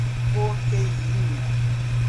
Porteirinha